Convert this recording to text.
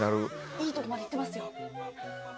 いいとこまでいってますよ！